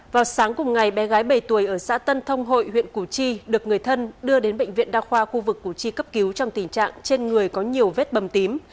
vào sáng cùng ngày bé gái bảy tuổi ở xã tân thông hội huyện củ chi được người thân đưa đến bệnh viện đa khoa khu vực củ chi cấp cứu trong tình trạng trên người có nhiều vết bầm tím